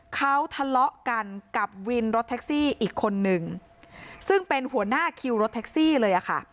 เขาทะเลาะกันกับวินรถแท็กซี่อีกคนนึงซึ่งเป็นหัวหน้าคิวรถแท็กซี่เลยอะค่ะ